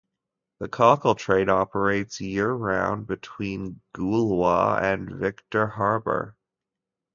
The "Cockle Train" operates year-round between Goolwa and Victor Harbor.